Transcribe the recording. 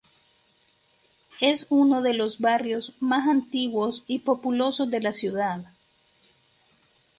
Es uno de los barrios más antiguos y populosos de la ciudad.